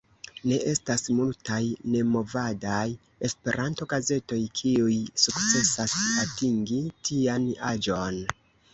Ne estas multaj nemovadaj Esperanto-gazetoj, kiuj sukcesas atingi tian aĝon.